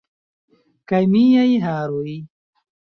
Kaj miaj haroj?